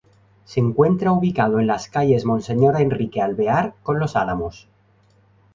Se encuentra ubicado en las calles Monseñor Enrique Alvear, con Los Álamos.